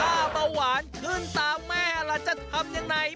โอ้โฮถ้าเปล่าหวานขึ้นตามแม่เราจะทำอย่างไร